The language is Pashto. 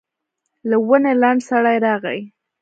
له ونې لنډ سړی راغی.